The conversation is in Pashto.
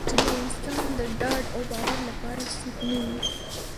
چې د انسان د ډاډ او باور لپاره څوک نه وي.